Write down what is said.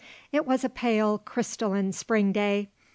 It was a pale, crystalline Spring day.